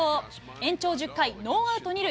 延長１０回、ノーアウト２塁。